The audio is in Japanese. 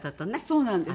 そうなんです。